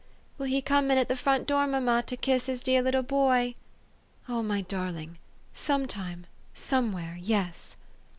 " Will he come in at the front door, mamma, to kiss his dee little boy? "" O my darling ! Some time somewhere yes.